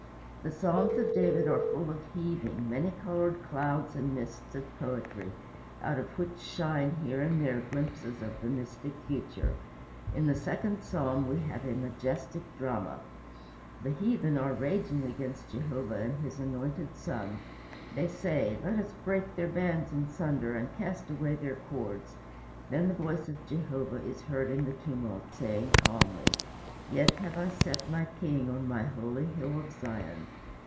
The Psalms of David are full of heaving, many colored clouds and mists of poetry, out of which shine here and there glimpses of the mystic future. In the second Psalm we have a majestic drama. The heathen are raging against Jehovah and his anointed Son. They say, Let us break their bands in sunder and cast away their cords. Then the voice of Jehovah is heard in the tumult, saying calmly, "Yet have I set my king on my holy hill of Zion."